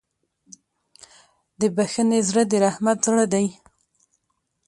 د بښنې زړه د رحمت زړه دی.